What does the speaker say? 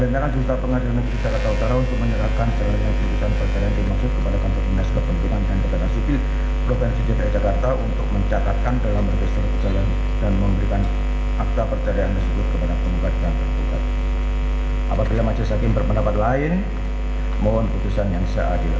dan juga tersebut akan menyebabkan lebih banyak penggugat